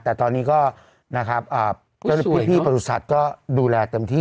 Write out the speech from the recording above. แต่ตอนนี้ก็พี่ประตูสัตว์ก็ดูแลเต็มที่